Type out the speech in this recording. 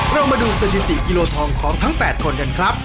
เรามาดูสถิติกิโลทองของทั้ง๘คนกันครับ